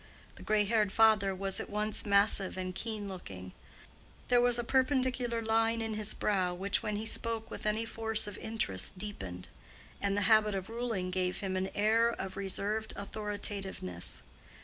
The gray haired father was at once massive and keen looking; there was a perpendicular line in his brow which when he spoke with any force of interest deepened; and the habit of ruling gave him an air of reserved authoritativeness.